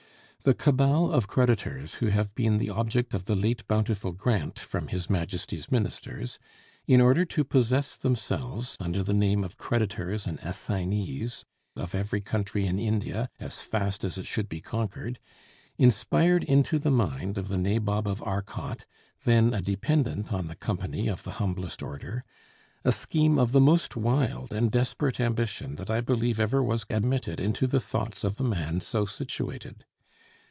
The cabal of creditors who have been the object of the late bountiful grant from His Majesty's ministers, in order to possess themselves, under the name of creditors and assignees, of every country in India as fast as it should be conquered, inspired into the mind of the Nabob of Arcot (then a dependent on the company of the humblest order) a scheme of the most wild and desperate ambition that I believe ever was admitted into the thoughts of a man so situated.